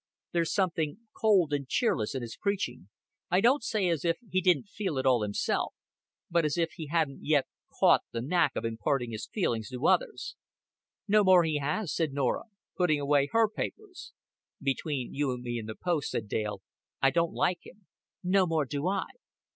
There's something cold and cheerless in his preaching I don't say as if he didn't feel it all himself, but as if he hadn't yet caught the knack of imparting his feelings to others." "No more he has," said Norah, putting away her papers. "Between you and me and the post," said Dale, "I don't like him." "No more do I."